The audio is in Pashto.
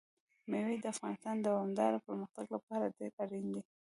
مېوې د افغانستان د دوامداره پرمختګ لپاره ډېر اړین دي.